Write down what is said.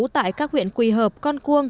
tại các huyện quỳ hợp con cuông